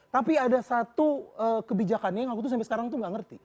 tapi ada satu kebijakannya yang aku tuh sampai sekarang tuh gak ngerti